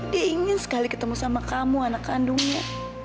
dia ingin sekali ketemu sama kamu anak kandungnya